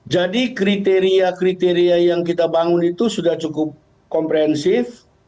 jadi kriteria kriteria yang kita bangun itu sudah cukup komprehensif